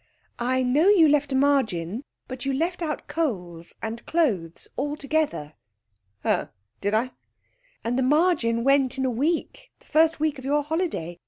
'I know you left a margin, but you left out coals and clothes altogether.' 'Oh, did I?' 'And the margin went in a week, the first week of your holiday.